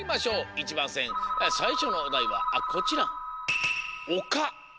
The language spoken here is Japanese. １ばんせんさいしょのおだいはこちら！